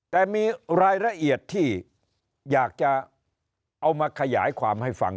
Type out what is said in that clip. แต่มีรายละเอียดที่อยากจะเอามาขยายความให้ฟัง